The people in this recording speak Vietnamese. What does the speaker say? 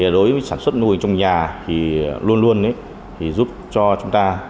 đối với sản xuất nuôi trong nhà thì luôn luôn giúp cho chúng ta